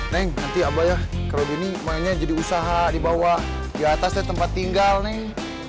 neng nanti abang ya kalau gini mainnya jadi usaha di bawah di atas ada tempat tinggal neng